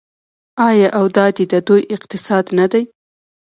آیا او دا دی د دوی اقتصاد نه دی؟